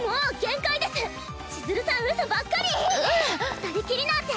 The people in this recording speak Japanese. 二人きりなんて！